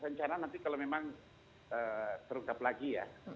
rencana nanti kalau memang terungkap lagi ya